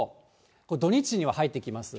これ、土日には入ってきます。